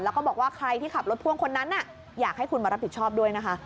แล้วก็บอกว่าใครที่ขับรถพ่วงคนนั้นอยากให้คุณมารับผิดชอบด้วยนะคะ